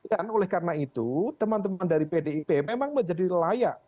dan oleh karena itu teman teman dari pdip memang menjadi layak